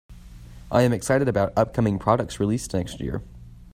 I am excited about upcoming products released next year.